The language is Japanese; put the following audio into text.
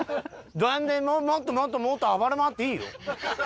なんでもっともっともっと暴れ回っていいよ。